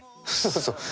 そうそう。